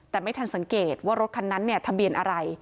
แต่ไม่ทันสังเกตว่ารถคันนั้นเนี่ยทะเบียนอะไร